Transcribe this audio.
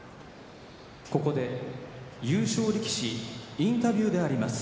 ここで優勝力士インタビューであります。